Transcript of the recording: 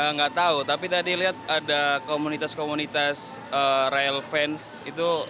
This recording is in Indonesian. nggak tahu tapi tadi lihat ada komunitas komunitas rail fans itu